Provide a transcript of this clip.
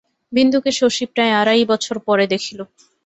বিন্দুকে শশী প্রায় আড়াই বছর পরে দেখিল।